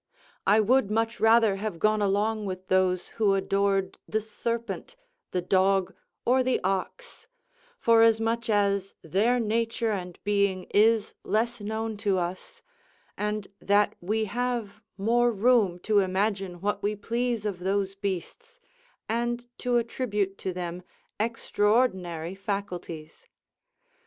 I would much rather have gone along with those who adored the serpent, the dog, or the ox; forasmuch as their nature and being is less known to us, and that we have more room to imagine what we please of those beasts, and to attribute to them extraordinary faculties.